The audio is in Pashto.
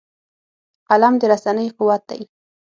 قلم د رسنۍ قوت دی